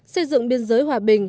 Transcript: xây dựng biên giới hòa bình